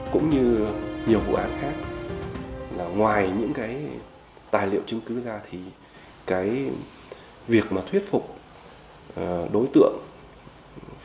cũng như nhiều vụ án khác ngoài những tài liệu chứng cứ ra thì việc thuyết phục đối tượng vũ có nhiều dấu hiệu bất minh